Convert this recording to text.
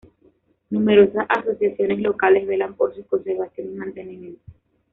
Numerosas asociaciones locales velan por su conservación y mantenimiento.